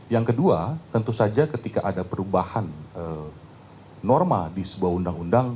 yang kedua tentu saja ketika ada perubahan norma di sebuah undang undang